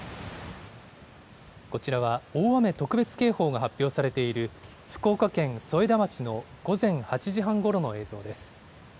こちらは大雨特別警報が発表されている福岡県添田町の午前８時半ごろの映像です。